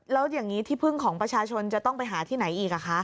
แล้วอย่างนี้ที่พึ่งของประชาชนจะต้องไปหาที่ไหนอีกอ่ะคะ